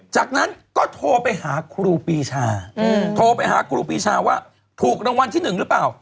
จากนั้นก็โทรไปหาครูปีชาโทรไปหาครูปีชาว่าถูกรางวัลที่๑หรือเปล่า